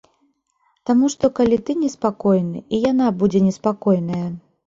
Таму што калі ты неспакойны, і яна будзе неспакойная.